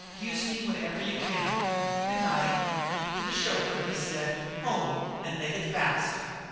Use me whenever you can. Goodnight." To the chauffeur he said: "Home, and make it fast."